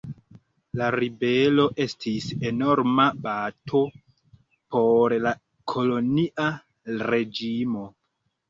La ribelo estis enorma bato por la kolonia reĝimo.